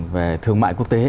về thương mại quốc tế